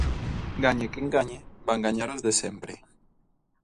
Gañe quen gañe, van gañar os de sempre.